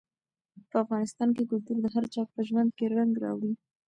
په افغانستان کې کلتور د هر چا په ژوند کې رنګ راوړي.